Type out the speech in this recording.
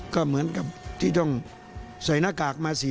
ก็เหมือนกับที่ต้องใส่หน้ากากมาสี